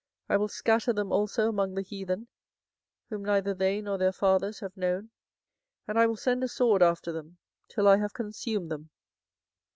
24:009:016 I will scatter them also among the heathen, whom neither they nor their fathers have known: and I will send a sword after them, till I have consumed them.